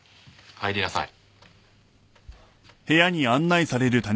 入りなさい。